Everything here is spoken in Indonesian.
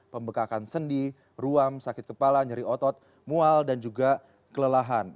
pembekakan sendi ruam sakit kepala nyeri otot mual dan juga kelelahan